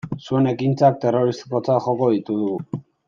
Zuen ekintzak terrorismotzat joko ditugu.